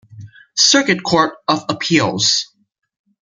Circuit Court of Appeals.